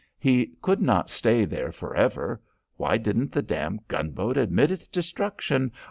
He could not stay there for ever. Why didn't the damned gunboat admit its destruction.